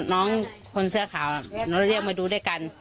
น้องคนเสื้อขาวเราเรียกมาดูด้วยกัน